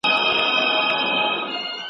چي ملا شکرانه واخلي تأثیر ولاړ سي .